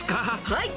はい。